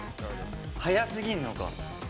早すぎるのか。